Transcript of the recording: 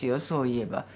そういえば。